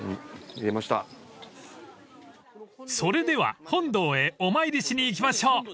［それでは本堂へお参りしに行きましょう］